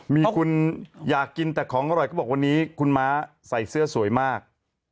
มีคุณอยากกินแต่ของอร่อยก็บอกวันนี้คุณม้าใส่เสื้อสวยมาก